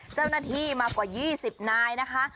เจ้าหน้าที่มากว่า๒๐นายนะคะ